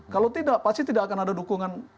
kalau tidak pasti tidak akan ada dukungan